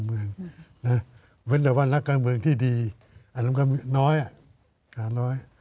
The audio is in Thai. เมื่อว่านักการเมืองที่ดีอันน้อยหน่อย